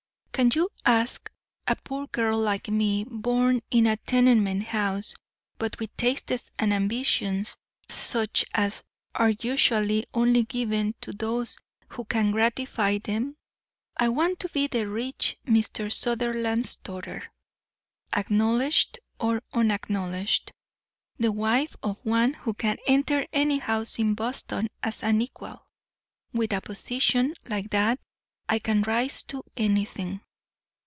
"Can you ask a poor girl like me, born in a tenement house, but with tastes and ambitions such as are usually only given to those who can gratify them? I want to be the rich Mr. Sutherland's daughter; acknowledged or unacknowledged, the wife of one who can enter any house in Boston as an equal. With a position like that I can rise to anything.